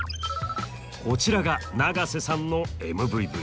こちらが永瀬さんのＭＶＶ。